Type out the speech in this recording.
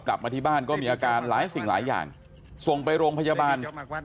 กลับมาที่บ้านก็มีอาการหลายสิ่งหลายอย่างส่งไปโรงพยาบาล